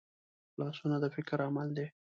لاسونه د فکر عمل دي